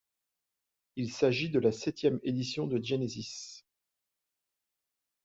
Il s'agit de la septième édition de Genesis.